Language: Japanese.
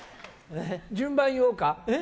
順番言おうか？